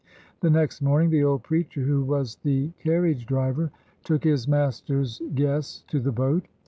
The next morning the old preacher (who was the car riage driver) took his master's guests to the boat.